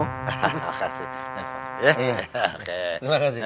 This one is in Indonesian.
hahaha terima kasih